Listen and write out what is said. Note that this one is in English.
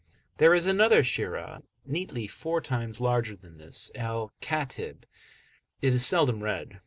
There is another Sharh, neatly four times larger than this, "Al Khatib"; it is seldom read.